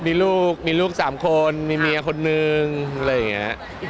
มีลูกมีลูก๓คนมีเมียคนนึงอะไรอย่างนี้